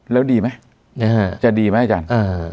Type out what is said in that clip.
แล้วดีมั้ยจะดีมั้ยอาจารย์